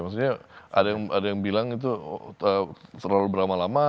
maksudnya ada yang bilang itu terlalu berlama lama